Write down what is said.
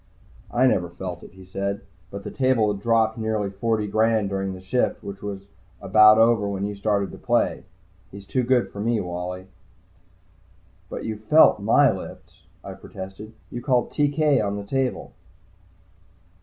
"I never felt it," he said. "But the table had dropped nearly forty grand during the shift, which was about over when you started to play. He's too good for me, Wally." "But you felt my lifts," I protested. "You called 'TK' on the table."